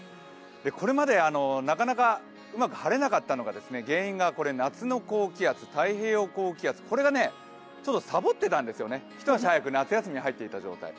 これまでなかなかうまく晴れなかった原因が夏の高気圧、太平洋高気圧、これがサボってたんですよね、一足早く夏休みに入っていた状態。